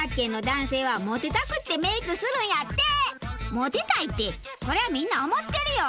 モテたいってそれはみんな思ってるよ！